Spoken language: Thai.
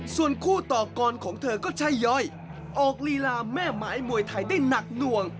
ส่วนคู่ต่อกรของเธอก็ใช่ย่อยออกลีลาแม่ไม้มวยไทยได้หนักหน่วง